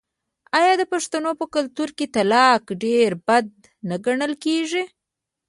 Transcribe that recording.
آیا د پښتنو په کلتور کې طلاق ډیر بد نه ګڼل کیږي؟